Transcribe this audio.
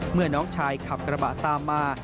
เมื่อน้องชายขับกระบะตามมา